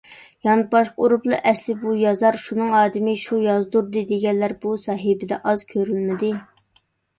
يانپاشقا ئۇرۇپلا ئەسلىي بۇ يازار شۇنىڭ ئادىمى، شۇ يازدۇردى، دېگەنلەر بۇ سەھىپىدە ئاز كۆرۈلمىدى.